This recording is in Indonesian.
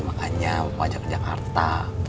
makanya apa ajak ke jakarta